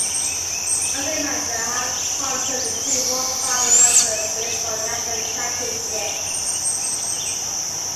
Under manager Harv Tomter, the team won five amateur baseball national championships.